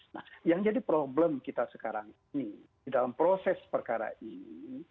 nah yang jadi problem kita sekarang ini di dalam proses perkara ini